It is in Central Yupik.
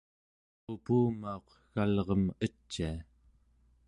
qupumauq egalrem ecia